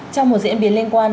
trong một diễn biến liên quan